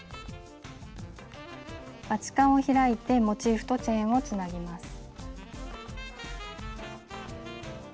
バチカンを開いてモチーフとチェーンをつなぎます。